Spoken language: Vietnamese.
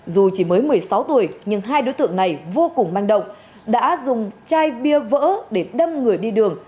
dù chỉ mới một mươi sáu tuổi nhưng hai đối tượng này vô cùng manh động đã dùng chai bia vỡ để đâm người đi đường